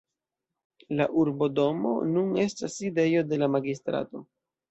La urbodomo nun estas sidejo de la magistrato.